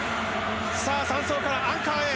３走からアンカーへ。